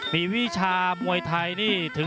มีวิชามวยไทยนี่ถึง